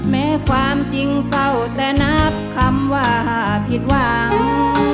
แม้ความจริงเฝ้าแต่นับคำว่าผิดหวัง